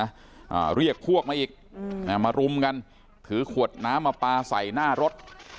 อ่าเรียกพวกมาอีกอืมอ่ามารุมกันถือขวดน้ำมาปลาใส่หน้ารถ